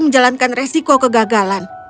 menjalankan resiko kegagalan